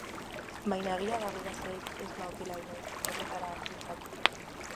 Baina egia da gurasoek ez nautela inoiz horretara bultzatu.